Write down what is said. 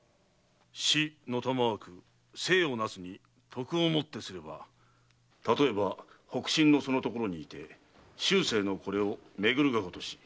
・「子曰わく政を為すに徳を以てすれば譬えば北辰の其の所に居て衆星のこれを巡るがごとし」